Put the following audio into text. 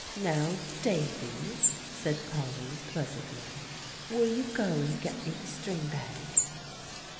"Now, Davie," said Polly pleasantly, "will you go and get me the string bag?"